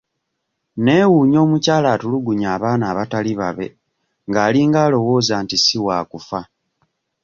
Neewuunya omukyala atulugunya abaana abatali babe ng'alinga alowooza nti si waakufa.